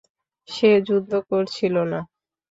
সে যুদ্ধ করছিল না।